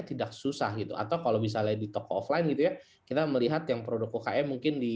tidak susah itu atau kalau misalnya di toko offline kita melihat yang produk ukm mungkin